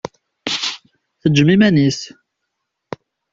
Tejjem iman-is.